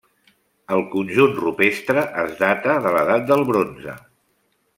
El conjunt rupestre es data de l'edat del bronze.